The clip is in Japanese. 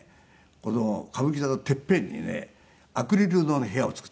この歌舞伎座のてっぺんにねアクリルの部屋を作ったんですよ